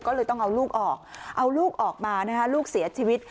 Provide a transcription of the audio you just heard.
ก็เลยต้องเอาลูกออกเอาลูกออกมานะคะลูกเสียชีวิต